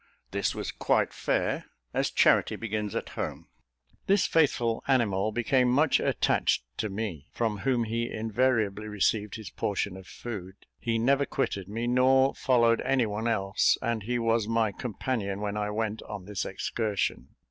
This was quite fair, as charity begins at home. This faithful animal became much attached to me, from whom he invariably received his portion of food. He never quitted me, nor followed any one else; and he was my companion when I went on this excursion.